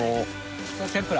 天ぷら。